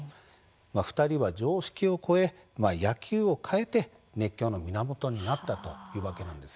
２人は常識を超え野球を変えて熱狂の源になったというわけなんです。